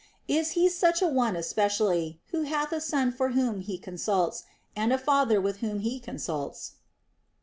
He is such a one especially, who hath a son for whom he consults, and a father with whom he consults.